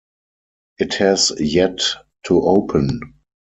It has yet to open.